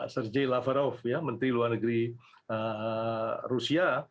sergei lavrov menteri luar negeri rusia